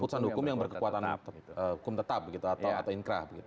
putusan hukum yang berkekuatan hukum tetap atau inkrah begitu